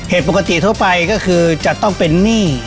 ปกติทั่วไปก็คือจะต้องเป็นหนี้